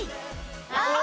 ああ！